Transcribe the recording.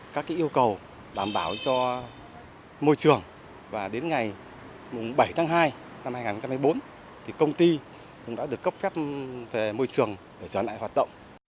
các yêu cầu đảm bảo cho môi trường và đến ngày bảy tháng hai năm hai nghìn một mươi bốn thì công ty cũng đã được cấp phép về môi trường để trở lại hoạt động